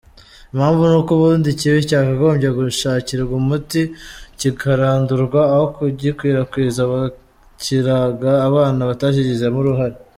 Impamvu nuko ubundi ikibi cyagombye gushakirwa umuti, kikarandurwa, aho kugikwirakwiza bakiraga abana batakigizemo uruhare.